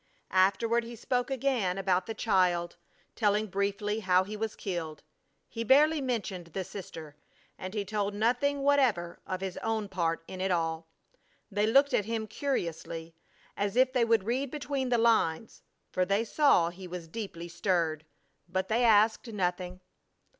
Afterward he spoke again about the child, telling briefly how he was killed. He barely mentioned the sister, and he told nothing whatever of his own part in it all. They looked at him curiously, as if they would read between the lines, for they saw he was deeply stirred, but they asked nothing.